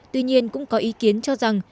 tuy nhiên cũng có ý kiến cho rằng